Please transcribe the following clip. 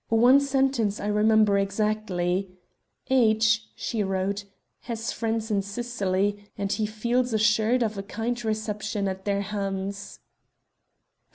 "One sentence I remember exactly: 'H.,' she wrote, 'has friends in Sicily, and he feels assured of a kind reception at their hands.'"